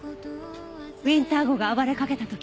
ウィンター号が暴れかけた時。